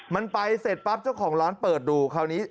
มันไปเสร็จปั๊บเจ้าของร้านเปิดดูคราวนี้